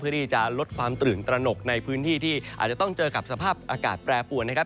ที่จะลดความตื่นตระหนกในพื้นที่ที่อาจจะต้องเจอกับสภาพอากาศแปรปวนนะครับ